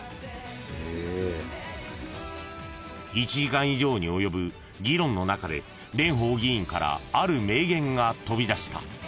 ［１時間以上に及ぶ議論の中で蓮舫議員からある名言が飛び出した］